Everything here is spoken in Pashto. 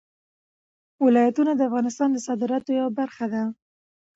ولایتونه د افغانستان د صادراتو یوه برخه ده.